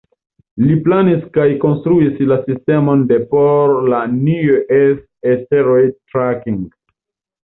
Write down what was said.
Li planis kaj konstruis la sistemon de por la "Near Earth Asteroid Tracking".